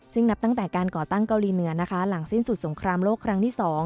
ซึ่งนับตั้งแต่การก่อตั้งเกาหลีเหนือนะคะหลังสิ้นสุดสงครามโลกครั้งที่๒